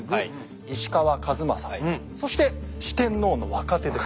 石川数正そして四天王の若手です。